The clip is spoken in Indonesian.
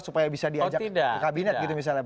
supaya bisa diajak ke kabinet gitu misalnya